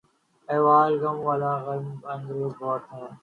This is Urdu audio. احوال گل و لالہ غم انگیز بہت ہے